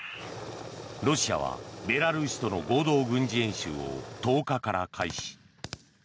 ロシアはベラルーシとの合同軍事演習を１０日から開始。